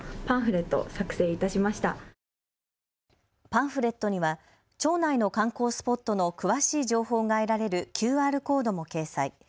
パンフレットには町内の観光スポットの詳しい情報が得られるＱＲコードも掲載。